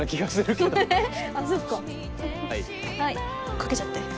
掛けちゃって。